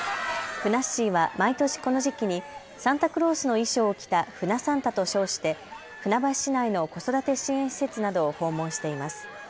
ふなっしーは毎年この時期にサンタクロースの衣装を着たふなサンタと称して船橋市内の子育て支援施設などを訪問しています。